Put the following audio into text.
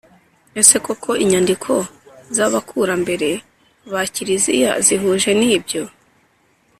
Ese koko inyandiko z abakurambere ba kiliziya zihuje n ibyo